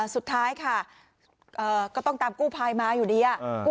สุดท้ายค่ะก็ต้องตามกู้ภัยมาอยู่ดี